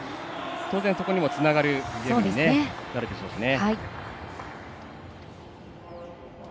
そこにもつながるゲームになるでしょうね。